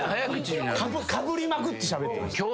かぶりまくってしゃべってました。